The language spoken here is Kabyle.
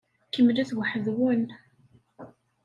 Kemmlet weḥd-wen.